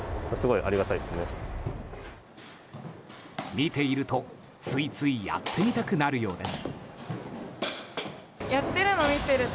見ていると、ついついやってみたくなるようです。